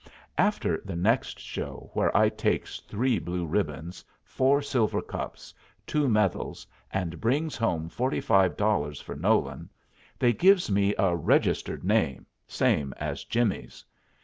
After the next Show, where I takes three blue ribbons, four silver cups, two medals, and brings home forty five dollars for Nolan, they gives me a "registered" name, same as Jimmy's.